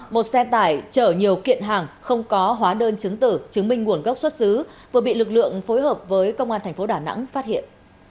một xe tải chở nhiều kiện hàng không có hóa đơn chứng tử chứng minh nguồn gốc xuất xứ vừa bị lực lượng phối hợp với công an thành phố đà nẵng phát hiện